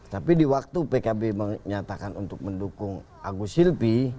tapi di waktu pkb menyatakan untuk mendukung agus silpi